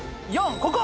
ここ！